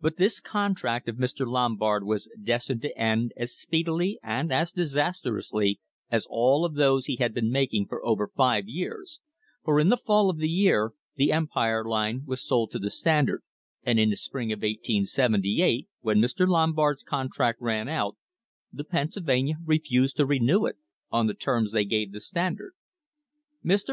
But this contract of Mr. Lombard was destined to end as speedily and as disastrously as all of those he had been making for over five years, for in the fall of the year the Empire Line was sold to the Standard, and in the spring of 1878, when Mr. Lombard's contract ran out, the Pennsyl vania refused to renew it on the terms they gave the Standard. Mr.